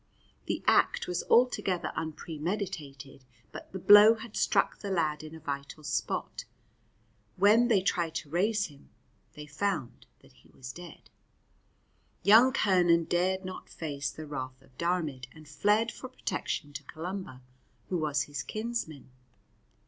The act was altogether unpremeditated, but the blow had struck the lad in a vital spot; when they tried to raise him, they found that he was dead. Young Curnan dared not face the wrath of Diarmaid, and fled for protection to Columba, who was his kinsman.